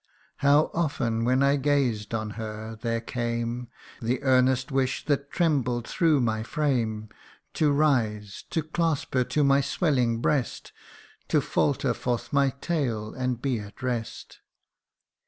How often, when I gazed on her, there came The earnest wish that trembled through my frame, To rise to clasp her to my swelling breast, To faulter forth my tale, and be at rest